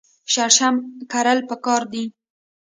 شړشم کرل پکار دي.